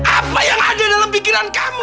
apa yang ada dalam pikiran kami